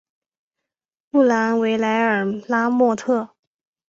布兰维莱尔拉莫特。